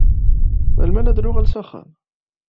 Melmi ad nuɣal s axxam?